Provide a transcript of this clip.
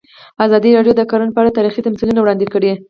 ازادي راډیو د کرهنه په اړه تاریخي تمثیلونه وړاندې کړي.